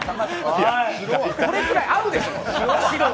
これくらい合うでしょ白は！